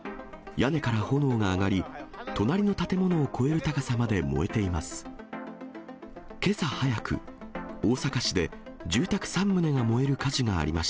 屋根から炎が上がり、隣の建物を超える高さまで燃えています。